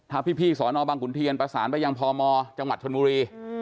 ถ้าพี่สอนอบังขุนเทียนประสานไปยังพมจังหวัดชนบุรี